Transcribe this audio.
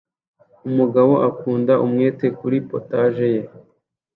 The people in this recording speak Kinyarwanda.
Umugabo akunda umwete kuri POTAGE ye